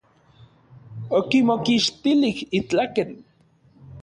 Okimokixtilij n itlaken.